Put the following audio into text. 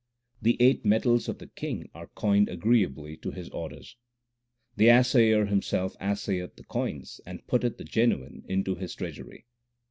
The eight metals of the King are coined agreeably to His orders. 1 The Assayer Himself assayeth the coins, and putteth the genuine into His treasury.